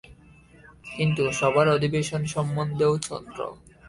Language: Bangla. কিন্তু সভার অধিবেশন সম্বন্ধেও– চন্দ্র।